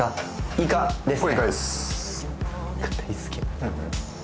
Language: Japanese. イカですね